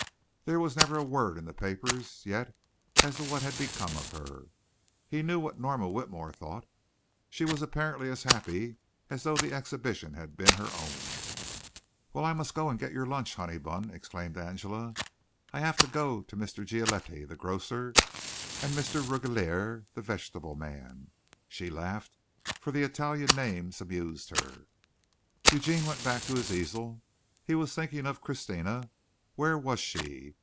There was never a word in the papers yet as to what had become of her. He knew what Norma Whitmore thought. She was apparently as happy as though the exhibition had been her own. "Well, I must go and get your lunch, Honeybun!" exclaimed Angela. "I have to go to Mr. Gioletti, the grocer, and to Mr. Ruggiere, the vegetable man." She laughed, for the Italian names amused her. Eugene went back to his easel. He was thinking of Christina where was she?